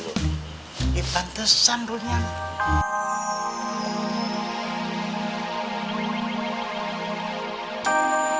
ya pantasan dulunya